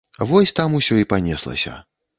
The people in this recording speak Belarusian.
Вось там усё і панеслася.